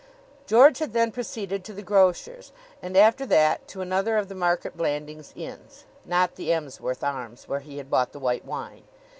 George had then proceeded to the grocer's, and after that to another of the Market Blandings inns, not the Emsworth Arms, where he had bought the white wine.